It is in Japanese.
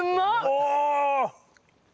お！